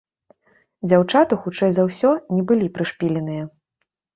Дзяўчаты хутчэй за ўсё не былі прышпіленыя.